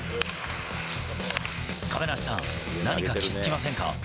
亀梨さん、何か気付きませんか？